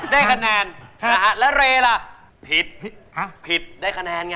ได้คะแนนแล้วเรล่ะผิดผิดได้คะแนนไง